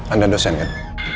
anda dosen kan